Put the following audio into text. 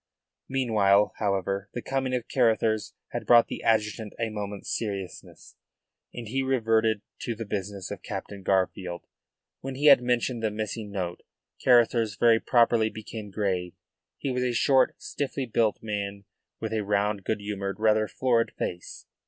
Meanwhile, however, the coming of Carruthers had brought the adjutant a moment's seriousness, and he reverted to the business of Captain Garfield. When he had mentioned the missing note, Carruthers very properly became grave. He was a short, stiffly built man with a round, good humoured, rather florid face.